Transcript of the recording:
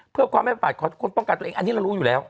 เพื่อความไม่ประมาทของทุกคนป้องกันตัวเองอันนี้เรารู้อยู่แล้ว